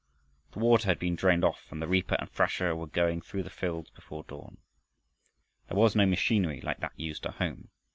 The water had been drained off and the reaper and thrasher were going through the fields before dawn. There was no machinery like that used at home.